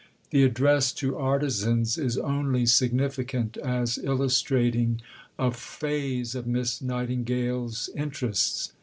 The address "to Artizans" is only significant as illustrating a phase of Miss Nightingale's interests.